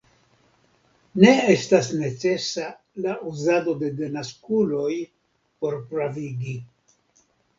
Ne estas necesa la uzado de denaskuloj por pravigi.